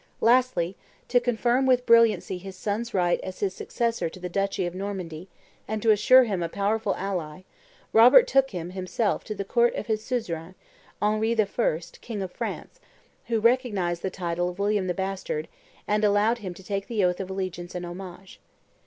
Lastly, to confirm with brilliancy his son's right as his successor to the duchy of Normandy, and to assure him a powerful ally, Robert took him, himself, to the court of his suzerain, Henry I., king of France, who recognized the title of William the Bastard, and allowed him to take the oath of allegiance and homage.